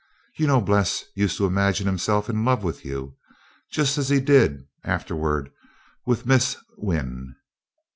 You know Bles used to imagine himself in love with you, just as he did afterward with Miss Wynn."